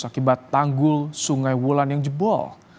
akibat tanggul sungai wulan yang jebol